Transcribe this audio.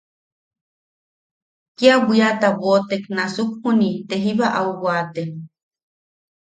Kia bwiata boʼotek nasuk juni te jiba au waate.